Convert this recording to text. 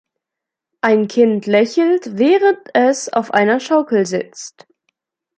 Ein Kind lächelt, während es auf einer Schaukel sitzt.